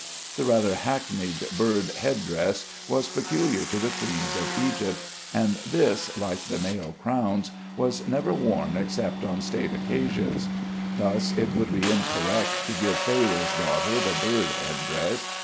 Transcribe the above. The rather hackneyed bird head dress was peculiar to the queens of Egypt, and this, like the male crowns, was never worn except on state occasions. Thus it would be incorrect to give Pharaoh's daughter the bird head dress.